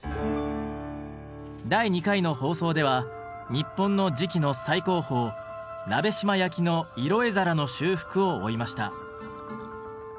第２回の放送では日本の磁器の最高峰鍋島焼の色絵皿の修復を追いました。